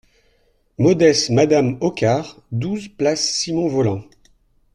Modes Madame Hoccart, douze, Place Simon-Vollant.